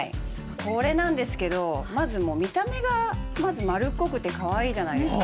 これなんですけどまずもう見た目がまず丸っこくてかわいいじゃないですか。